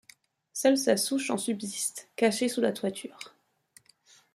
Seule sa souche en subsiste, cachée sous la toiture.